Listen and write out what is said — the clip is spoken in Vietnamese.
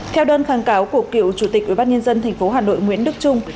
theo đơn kháng cáo của cựu chủ tịch ubnd tp hà nội nguyễn đức trung